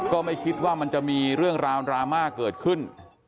ก็ไม่คิดว่ามันจะมีเรื่องราวดราม่าเกิดขึ้น